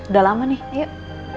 udah lama nih yuk